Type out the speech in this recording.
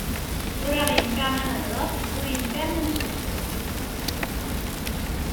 Ur aɣ-yenfiɛ ma nahḍer, ur yenfiɛ ma nessusem.